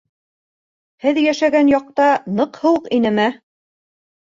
— Һеҙ йәшәгән яҡта ныҡ һыуыҡ инеме?